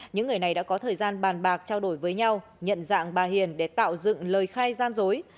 những người này đã có thời gian bàn bạc trao đổi với nhau nhận dạng bà hiền để tạo dựng lời khai gian dối